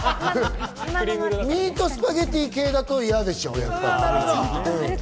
ミートスパゲティ系だと嫌でしょう。